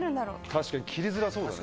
確かに切りづらそうだね。